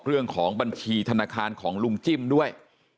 เรื่องของบัญชีธนาคารของลุงจิ้มด้วย